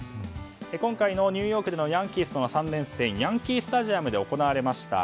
今回のニューヨークでのヤンキースとの３連戦はヤンキースタジアムで行われました。